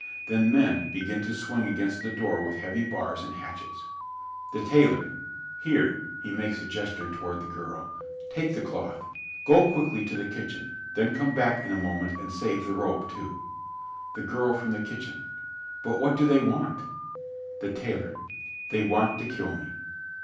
Then men begin to swing against the door with heavy bars and hatchets._) THE TAILOR Here (he makes a gesture toward the girl), take the cloth. Go quickly to the kitchen. Then come back in a moment and save the rope, too. THE GIRL FROM THE KITCHEN But what do they want? THE TAILOR They want to kill me.